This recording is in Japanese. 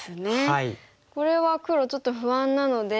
これは黒ちょっと不安なので逃げると。